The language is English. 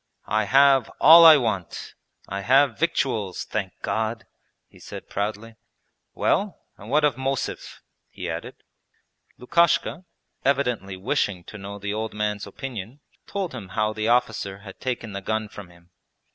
'I have all I want. I have victuals, thank God!' he said proudly. 'Well, and what of Mosev?' he added. Lukashka, evidently wishing to know the old man's opinion, told him how the officer had taken the gun from him.